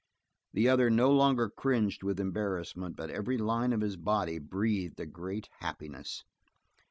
The other no longer cringed with embarrassment, but every line of his body breathed a great happiness.